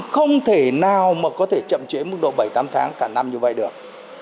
hoặc có thể chậm trễ mức độ bảy tám tháng cả năm như vậy được